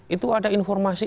itu ada informasi